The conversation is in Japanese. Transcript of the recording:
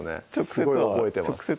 すごい覚えてます